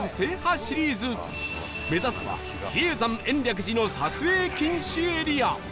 目指すは比叡山延暦寺の撮影禁止エリア